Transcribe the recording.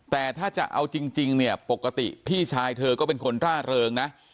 แต่ถ้าจะเอาจริงเนี่ยปกติพี่ชายเธอก็เป็นคนร่าเริงนะ